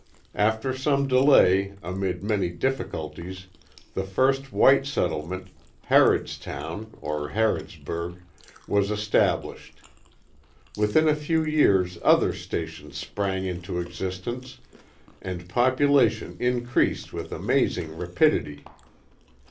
After some delay amid many difficulties the first white settlement, Harrodstown (Harrodsburg) was established. Within a few years other stations sprang into existence and population increased with amazing rapidity.